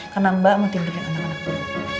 karena mbak mau tidurin anak anakmu